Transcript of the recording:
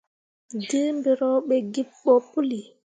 Dǝ mbǝro be gii ɓo puli.